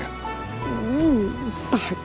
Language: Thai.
โอ้โฮ